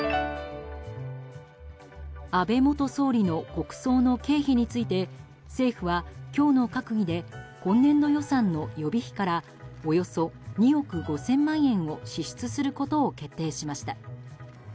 安倍元総理の国葬の経費について政府は今日の閣議で今年度予算の予備費からおよそ２億５０００万円を支出することを決定しました。